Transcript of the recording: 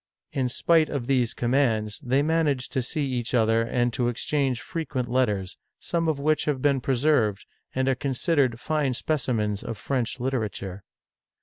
In spite of these commands, they managed to see each other and to exchange frequent letters, some of which nave been preserved, and are considered fine specimens of French literature.